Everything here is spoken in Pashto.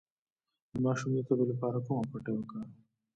د ماشوم د تبې لپاره کومه پټۍ وکاروم؟